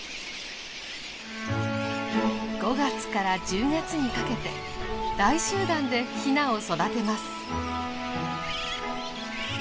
５月から１０月にかけて大集団でヒナを育てます。